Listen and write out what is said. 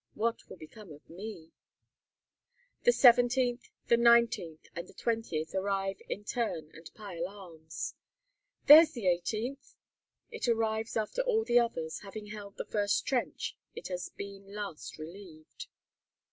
What will become of me?" The 17th, the 19th, and the 20th arrive in turn and pile arms. "There's the 18th!" It arrives after all the others; having held the first trench, it has been last relieved.